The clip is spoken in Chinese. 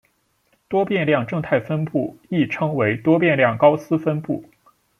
多变量正态分布亦称为多变量高斯分布。